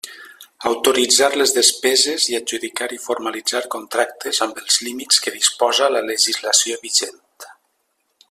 Autoritzar les despeses i adjudicar i formalitzar contractes amb els límits que disposa la legislació vigent.